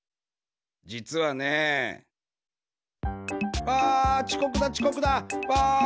じつはね。わちこくだちこくだ！わ！